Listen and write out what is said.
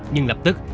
nhưng lập tức